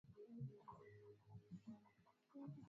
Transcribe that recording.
ya eneo lote la Mkoa na kilomita za mraba